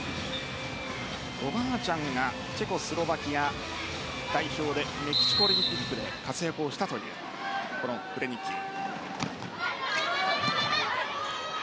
おばあちゃんがチェコ、スロバキア代表でメキシコオリンピックで活躍したというクレニッキー。